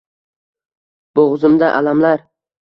Bo’g’zimda alamlar